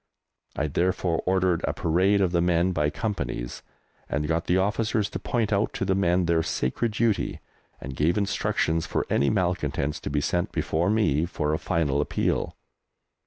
I therefore ordered a parade of the men by Companies, and got the officers to point out to the men their sacred duty, and gave instructions for any malcontents to be sent before me for a final appeal.